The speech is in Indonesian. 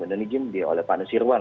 dan dijembi oleh pak nusirwan